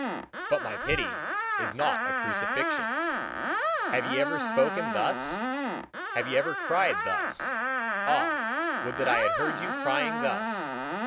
But my pity is not a crucifixion." Have ye ever spoken thus? Have ye ever cried thus? Ah! would that I had heard you crying thus!